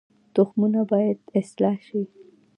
تخمونه باید اصلاح شي